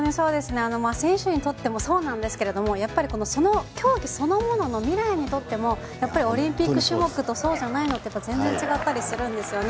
選手にとってもそうなんですけれどもやっぱりこの競技そのものの未来にとってもやっぱりオリンピック種目とそうじゃないのって全然違ったりするんですよね。